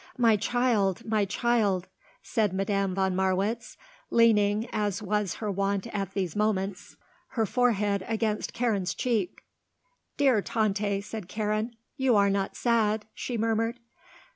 "My child, my child," said Madame von Marwitz, leaning, as was her wont at these moments, her forehead against Karen's cheek. "Dear Tante," said Karen. "You are not sad?" she murmured.